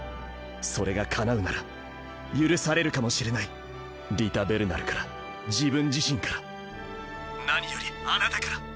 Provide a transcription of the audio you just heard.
それがかなうなら許されるかもしれないリタ・ベルナルから自分自身から何よりあなたから。